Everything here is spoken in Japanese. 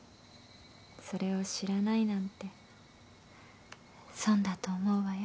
それを知らないなんて損だと思うわよ